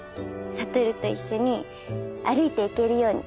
悟と一緒に歩いていけるように。